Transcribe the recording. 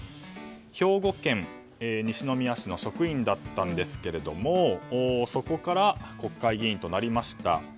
兵庫県西宮市の職員だったんですがそこから国会議員となりました。